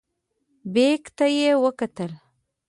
بیک ته یې وکتلې.